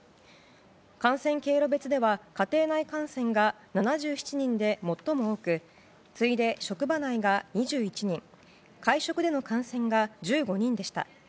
感染経路別では家庭内感染が７７人で最も多く次いで職場内が２１人会食での感染が１５人でした。